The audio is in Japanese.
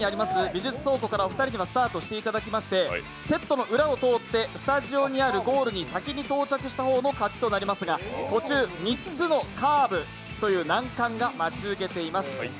美術倉庫からお二人にはスタートしていただきましてセットの裏を通ってスタジオにあるゴールに先に到着した方の勝ちとなりますが途中、３つのカーブという難関が待ち受けています。